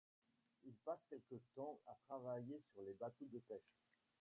Il passe quelque temps à travailler sur les bateaux de pêche.